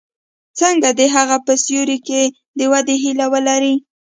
څنګه د هغه په سیوري کې د ودې هیله ولري.